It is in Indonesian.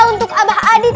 untuk abang adit